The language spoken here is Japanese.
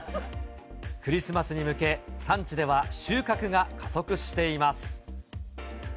クリスマスに向け、産地では収穫が加速しています。